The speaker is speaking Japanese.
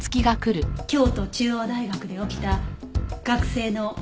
京都中央大学で起きた学生の集団自殺事件。